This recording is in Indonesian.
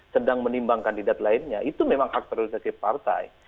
sedang menimbang kandidat lainnya itu memang hak priorientasi partai